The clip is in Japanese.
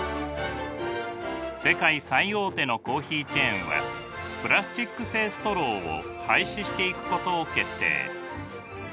世界最大手のコーヒーチェーンはプラスチック製ストローを廃止していくことを決定。